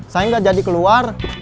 saya nggak jadi keluar